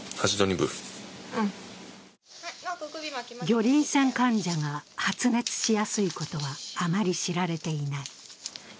魚鱗癬患者が発熱しやすいことは、あまり知られていない。